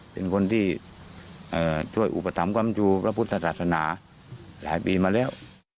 เป็นคนที่ช่วยอุปถัมภัมยูพระพุทธศาสนาหลายปีมาแล้ว